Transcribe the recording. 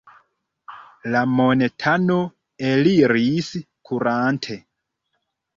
La montano eliris kurante.